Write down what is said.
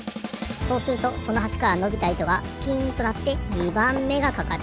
そうするとそのはしからのびたいとがピンとなって２ばんめがかかる。